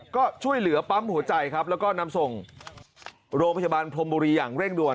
ก็ช่วยเหลือปั๊มหัวใจครับแล้วก็นำส่งโรงพยาบาลพรมบุรีอย่างเร่งด่วน